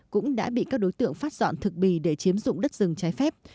cũng đã bị các đối tượng phát dọn thực bì để chiếm dụng đất rừng trái phép